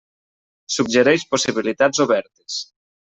Suggereix possibilitats obertes.